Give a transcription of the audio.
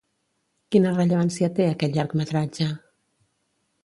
Quina rellevància té aquest llargmetratge?